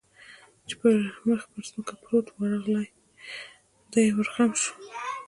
چې پر مخ پر ځمکه پروت و، ورغلی، دی ور خم شو.